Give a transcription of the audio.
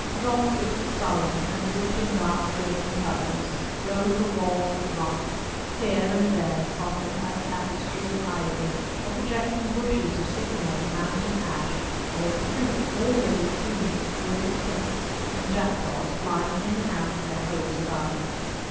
Lofty, solemn, and rich in dark reds and purples, rose the walls of rock, here and there softened by tapestry of ivy or projecting bushes of sycamore, mountain ash, or with fruit already assuming its brilliant tints, and jackdaws flying in and out of their holes above.